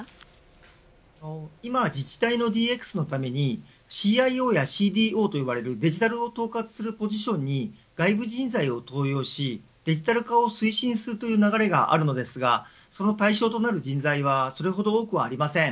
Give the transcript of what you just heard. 今、自治体のＤＸのためにＣＩＯやＣＤＯと呼ばれるデジタルを統括するポジションに外部人材を登用しデジタル化を推進するという流れがあるのですがその対象となる人材はそれほど多くはありません。